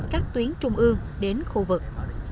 các tuyến trung ương đến khu vực